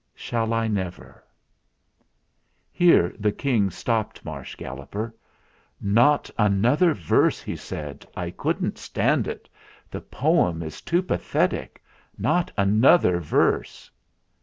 "Shall I never ?" Here the King stopped Marsh Galloper. "Not another verse," he said. "I couldn't stand it. The poem is too pathetic. Not an other verse."